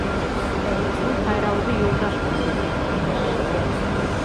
Шул һайрауҙы Юлдаш бүлдерһен, имеш.